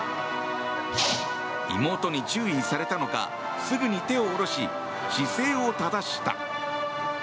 妹に注意されたのかすぐに手を下ろし姿勢を正した。